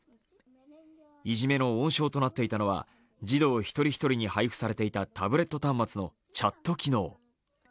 いじめの温床となっていたのは児童一人一人に配布されていたタブレット端末のチャット機能。